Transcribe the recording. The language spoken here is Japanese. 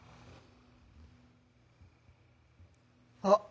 あ。